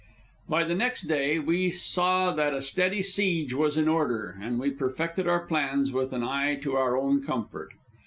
By the next day we saw that a steady siege was in order, and we perfected our plans with an eye to our own comfort.